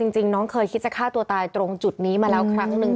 จริงน้องเคยคิดจะฆ่าตัวตายตรงจุดนี้มาแล้วครั้งหนึ่ง